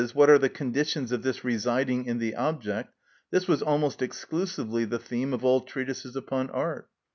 _, what are the conditions of this residing in the object—this was almost exclusively the theme of all treatises upon art.